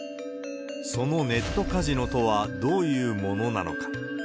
そのネットカジノとはどういうものなのか。